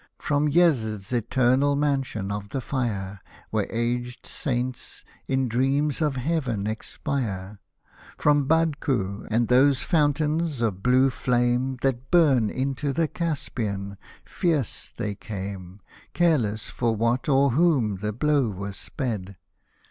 From Yezd's eternal Mansion of the Fire, Where aged saints in dreams of Heaven expire : From Badku, and those fountains of blue flame That burn into the Caspian, fierce they came, Careless for what or whom the blow was sped.